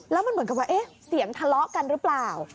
แล้วมันเหมือนกับว่าเอ๊ะเสียงทะเลาะกันหรือเปล่า